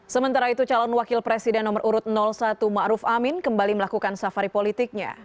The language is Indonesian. sementara itu calon wakil presiden nomor urut satu ma'ruf amin kembali melakukan safari politiknya